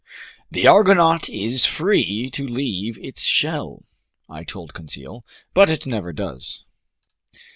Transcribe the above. "The argonaut is free to leave its shell," I told Conseil, "but it never does."